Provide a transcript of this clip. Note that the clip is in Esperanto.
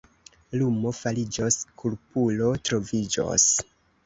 Lumo fariĝos, kulpulo troviĝos.